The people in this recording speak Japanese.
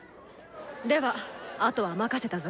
ではあとは任せたぞ。